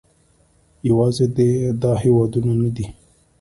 یوازې دا هېوادونه نه دي